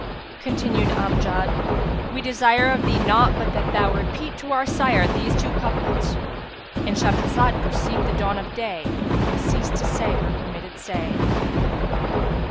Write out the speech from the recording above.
'" Continued Amjad, "We desire of thee naught but that thou repeat to our sire these two couplets."—And Shahrazad perceived the dawn of day and ceased to say her permitted say.